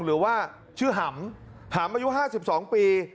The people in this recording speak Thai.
หรือว่าชื่อหำหำอายุ๕๒ปี